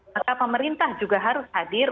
maka pemerintah juga harus hadir